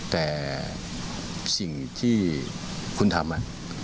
แต่สิ่งที่คุณทำ